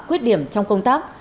quyết điểm trong công tác